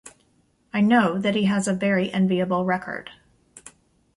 I know that he has a very enviable record.